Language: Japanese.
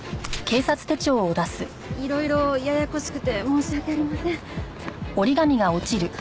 いろいろややこしくて申し訳ありません。